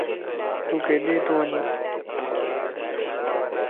تُون کيڏي تو وڃي؟